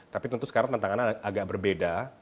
tapi tentu sekarang tantangan anda agak berbeda